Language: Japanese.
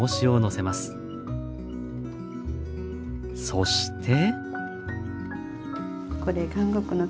そして。